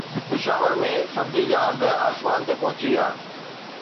پشاور ۾ سبزي جا اگهه آسمان تي پهچي ويا